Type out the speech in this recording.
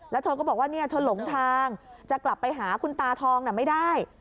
แล้วเธอก็บอกว่าเธอหลงทางจะกลับไปหาคุณตาทองไม่ได้